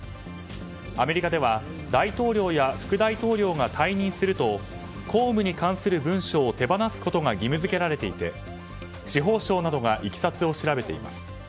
アメリカでは大統領や副大統領が退任すると公務に関する文書を手放すことが義務付けられていて司法省などがいきさつを調べています。